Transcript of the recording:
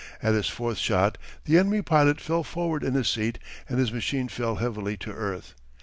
At his fourth shot the enemy pilot fell forward in his seat and his machine fell heavily to earth.